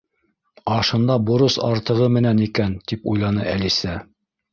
«Ашында борос артығы менән икән!» —тип уйланы Әлисә.